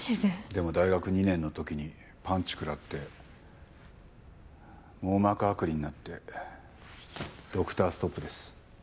でも大学２年の時にパンチ食らって網膜剥離になってドクターストップです。